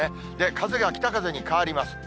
風が北風に変わります。